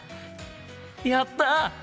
やった！